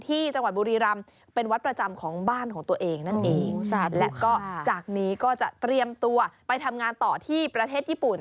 ที่จังหวัดบุรีรำเป็นวัดประจำของบ้านของตัวเองนั่นเองแล้วก็จากนี้ก็จะเตรียมตัวไปทำงานต่อที่ประเทศญี่ปุ่น